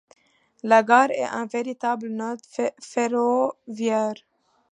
La gare est un véritable nœud ferroviaire.